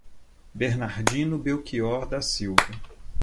Bernardino Belchior da Silva